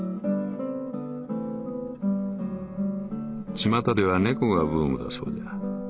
「巷では猫がブームだそうじゃ。